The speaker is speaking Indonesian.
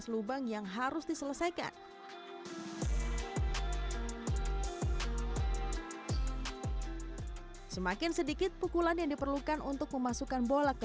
lubang yang harus diselesaikan semakin sedikit pukulan yang diperlukan untuk memasukkan bola ke